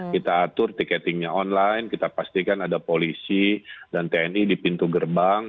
kita atur tiketingnya online kita pastikan ada polisi dan tni di pintu gerbang